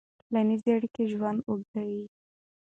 ټولنیزې اړیکې ژوند اوږدوي.